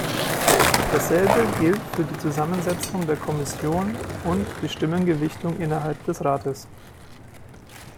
Dasselbe gilt für die Zusammensetzung der Kommission und die Stimmengewichtung innerhalb des Rates.